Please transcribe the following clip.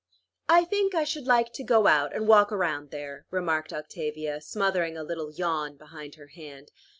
"I think I should like to go out and walk around there," remarked Octavia, smothering a little yawn behind her hand.